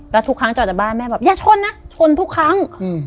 แล้วทุกครั้งจะออกจากบ้านแม่แบบอย่าชนนะชนทุกครั้ง